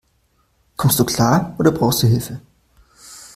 Kommst du klar, oder brauchst du Hilfe?